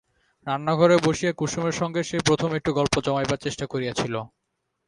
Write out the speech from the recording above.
রান্নাঘরে বসিয়া কুসুমের সঙ্গে সে প্রথম একটু গল্প জমাইবার চেষ্টা করিয়াছিল।